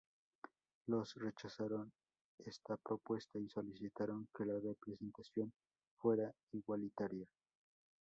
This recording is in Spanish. Los rechazaron esta propuesta y solicitaron que la representación fuera igualitaria.